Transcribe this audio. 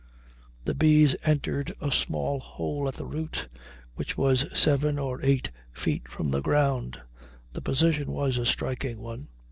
The bees entered a small hole at the root, which was seven or eight feet from the ground. The position was a striking one.